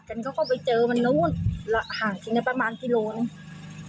เขาก็ไปเจอมันนู่นห่างนี้ประมาณกิโลนิเงียน